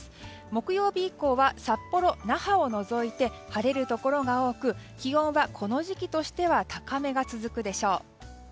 木曜日以降は札幌、那覇を除いて晴れるところが多く気温はこの時期としては高めが続くでしょう。